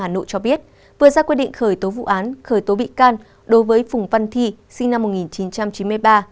hà nội cho biết vừa ra quyết định khởi tố vụ án khởi tố bị can đối với phùng văn thi sinh năm một nghìn chín trăm chín mươi ba